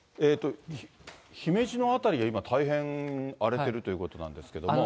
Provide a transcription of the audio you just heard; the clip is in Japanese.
姫路の辺りが今、大変荒れてるということなんですけれども。